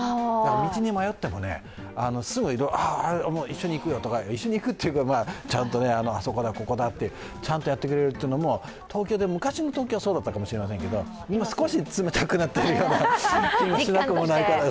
道に迷っても、すぐ一緒に行くよとか、ちゃんとあそこだ、ここだとやってくれるというのも、昔の東京はそうだったかもしれませんが、今、少し冷たくなってるような気もしなくもないから。